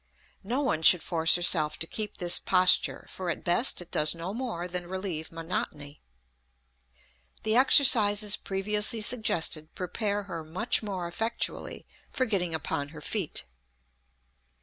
No one should force herself to keep this posture, for at best it does no more than relieve monotony. The exercises previously suggested prepare her much more effectually for getting upon her feet.